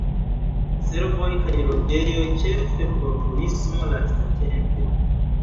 Servoj kaj loĝejoj, ĉefe por turismo lastatempe.